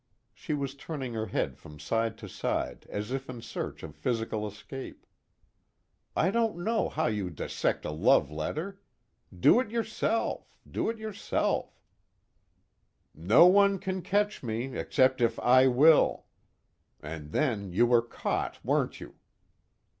She was turning her head from side to side as if in search of physical escape. "I don't know how you dissect a love letter. Do it yourself do it yourself " "'No one can catch me except if I will.' And then you were caught, weren't you?"